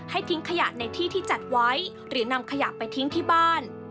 ทิ้งขยะในที่ที่จัดไว้หรือนำขยะไปทิ้งที่บ้าน